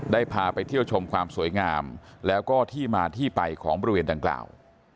พาไปเที่ยวชมความสวยงามแล้วก็ที่มาที่ไปของบริเวณดังกล่าว